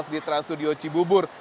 di trans studio cibubur